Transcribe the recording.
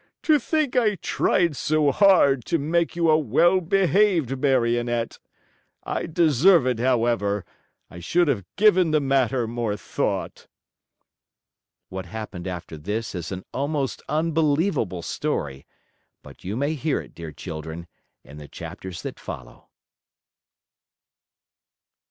To think I tried so hard to make you a well behaved Marionette! I deserve it, however! I should have given the matter more thought." What happened after this is an almost unbelievable story, but you may read it, dear children, in the chapters that follow.